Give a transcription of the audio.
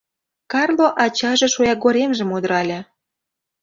Карло ачаже шоягоремжым удырале.